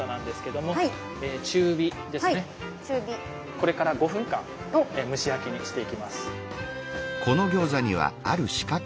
これから５分間蒸し焼きにしていきます。